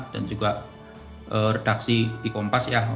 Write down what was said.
dan juga redaksi di kompas ya